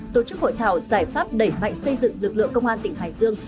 tổ chức hội thảo giải pháp đẩy mạnh xây dựng lực lượng công an tỉnh hải dương